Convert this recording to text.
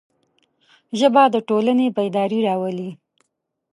ژبه د ټولنې بیداري راولي